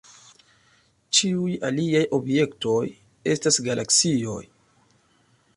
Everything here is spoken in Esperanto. Ĉiuj aliaj objektoj, estas galaksioj.